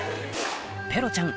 ペロちゃん